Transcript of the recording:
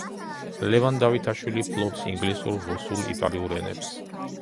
ლევან დავითაშვილი ფლობს ინგლისურ, რუსულ, იტალიურ ენებს.